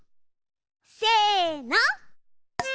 せの！